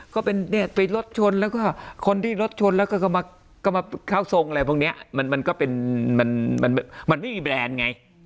ก็เป็นเนี่ยไปรถชนแล้วก็คนที่รถชนแล้วก็มาเข้าทรงอะไรพวกนี้มันก็เป็นมันไม่มีแบรนด์ไง